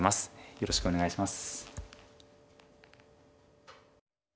よろしくお願いします。